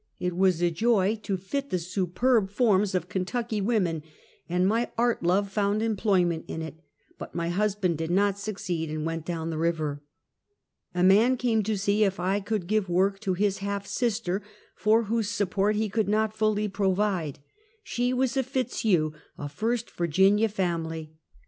It was a joy to^fit the superb forms of Kentucky women, and my art love found employment in it, but my husband did not succeed, and went down the river. A man came to see if I could give work to his half sister, for whose support he could not fully provide. She was a Fitzhugh, — a first Yirginia family.